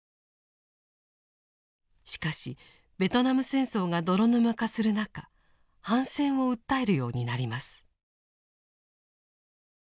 しかしベトナム戦争が泥沼化する中反戦を訴えるようになります。